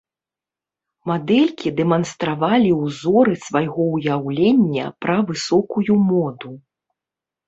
Мадэлькі дэманстравалі ўзоры свайго ўяўлення пра высокую моду.